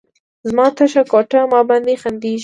زما تشه کوټه، ما باندې خندیږې